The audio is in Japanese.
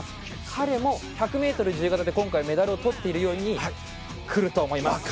彼も１００ｍ自由形で今回、メダルをとっているようにくると思います。